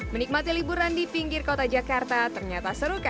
menikmati liburan di pinggir kota jakarta ternyata seru kan